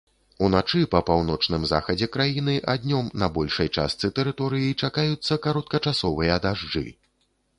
Уначы па паўночным захадзе краіны, а днём на большай частцы тэрыторыі чакаюцца кароткачасовыя дажджы.